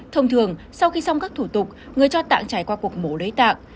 thông thường sau khi xong các thủ tục người cho tặng trải qua cuộc mổ lấy tạng